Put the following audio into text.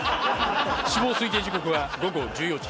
死亡推定時刻は午後１４時。